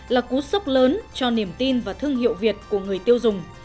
là cú sốc lớn cho niềm tin và thương hiệu việt của người tiêu dùng